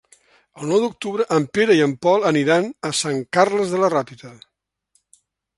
El nou d'octubre en Pere i en Pol aniran a Sant Carles de la Ràpita.